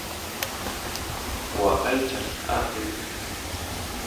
waqaychaq apin